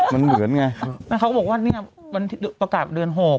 มันเหมือนไงแล้วเขาก็บอกว่าเนี่ยวันที่ประกาศเดือนหก